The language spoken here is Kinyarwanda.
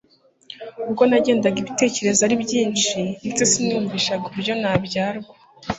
ubwo nagendaga ibitekererezo ari byinshi ndetse siniyumvishaga uburyo nabyarwa